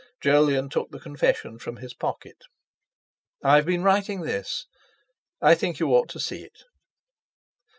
Jolyon took the confession from his pocket. "I've been writing this. I think you ought to see it?"